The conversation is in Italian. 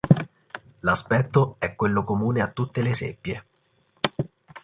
L'aspetto è quello comune a tutte le seppie.